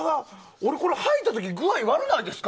俺、これ履いた時に具合悪ないですか？